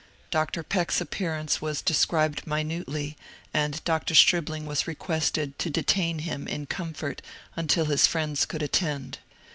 Dr. Peck's appearance was de scribed minutely, and Dr. Stribling was requested to detain him in comfort until his friends could attend.